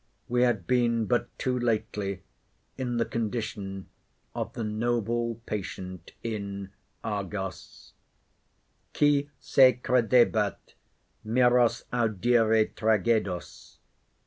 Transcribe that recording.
We had been but too lately in the condition of the noble patient in Argos: Qui se credebat miros audire tragoedos.